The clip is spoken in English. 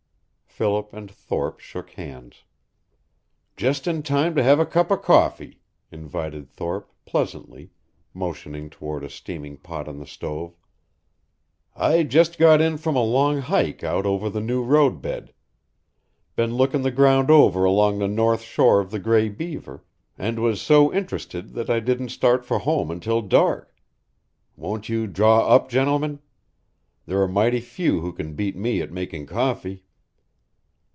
Philip and Thorpe shook hands. "Just in time to have a cup of coffee," invited Thorpe, pleasantly, motioning toward a steaming pot on the stove. "I just got in from a long hike out over the new road bed. Been looking the ground over along the north shore of the Gray Beaver, and was so interested that I didn't start for home until dark. Won't you draw up, gentlemen? There are mighty few who can beat me at making coffee."